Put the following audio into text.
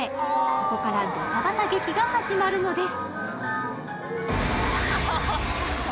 ここからドタバタ劇が始まるのです。